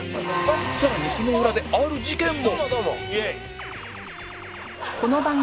さらにその裏である事件も